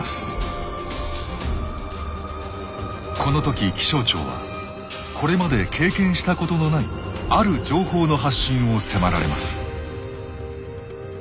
この時気象庁はこれまで経験したことのないある情報の発信を迫られます。